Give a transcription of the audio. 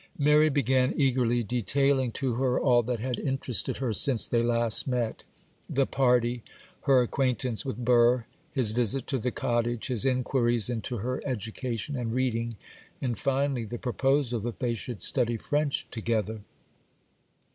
Mary began eagerly detailing to her all that had interested her since they last met: the party,—her acquaintance with Burr,—his visit to the cottage,—his inquiries into her education and reading,—and, finally, the proposal that they should study French together.